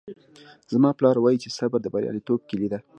زما پلار وایي چې صبر د بریالیتوب کیلي ده